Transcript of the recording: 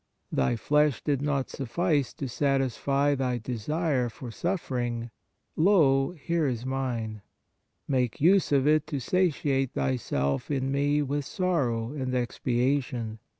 Thy flesh did not suffice to satisfy Thy desire for suffering ; lo, here is mine ; make use of it to satiate Thyself in me with sorrow and expiation.